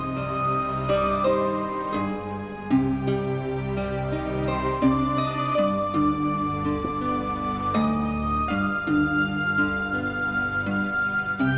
sekali lagi ya